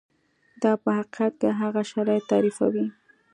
دا په حقیقت کې هغه شرایط تعریفوي.